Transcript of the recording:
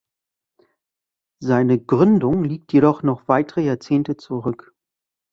Seine Gründung liegt jedoch noch weitere Jahrzehnte zurück.